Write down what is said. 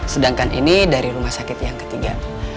sedangkan ini dari rumah sakit yang ketiga